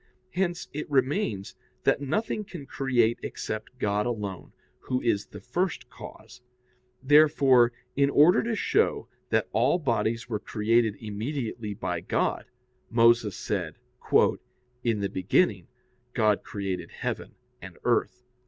Hence it remains that nothing can create except God alone, Who is the first cause. Therefore, in order to show that all bodies were created immediately by God, Moses said: "In the beginning God created heaven and earth."